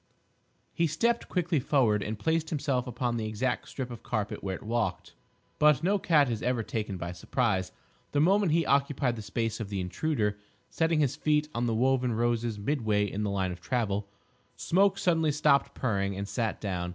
He stepped quickly forward and placed himself upon the exact strip of carpet where it walked. But no cat is ever taken by surprise! The moment he occupied the space of the Intruder, setting his feet on the woven roses midway in the line of travel, Smoke suddenly stopped purring and sat down.